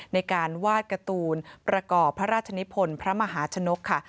ในการวาดการ์ตูนประกอบพระราชนิพลพระมหาชนกค่ะ